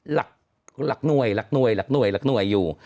หลักหน่วยหลักหน่วยหลักหน่วยหลักหน่วยอยู่